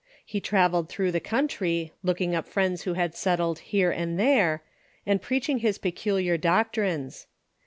He travelled through the country, looking up Friends who had settled here and there, and preaching his peculiar doctrines.